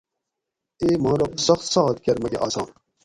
اے ماں رب سخت سات کۤر مکہ آسان